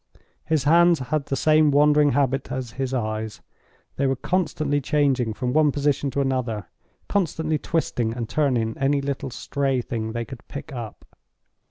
His hands had the same wandering habit as his eyes; they were constantly changing from one position to another, constantly twisting and turning any little stray thing they could pick up.